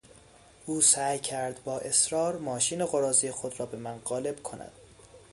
او سعی کرد با اصرار ماشین قراضهی خود را به من قالب کند.